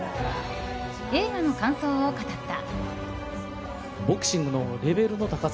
映画の感想を語った。